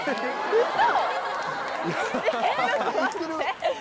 ウソ！